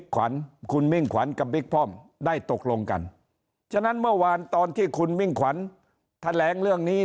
ขวัญคุณมิ่งขวัญกับบิ๊กป้อมได้ตกลงกันฉะนั้นเมื่อวานตอนที่คุณมิ่งขวัญแถลงเรื่องนี้